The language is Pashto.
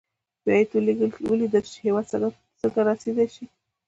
باید ولېدل شي چې هېواد څنګه رسېدای شي.